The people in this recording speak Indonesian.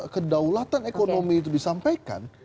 kedaulatan ekonomi itu disampaikan